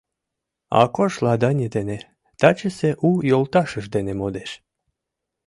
Акош Ладани дене, тачысе у йолташыж дене, модеш.